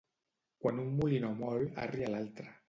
Quan un molí no mol, arri a l'altre.